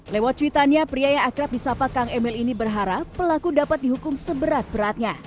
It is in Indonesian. lewat cuitannya pria yang akrab di sapa kang emil ini berharap pelaku dapat dihukum seberat beratnya